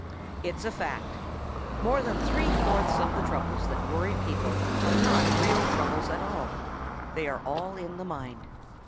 |ITS a fact. More than three fourths of the troubles that worry people are not real troubles at all. They are all in the mind.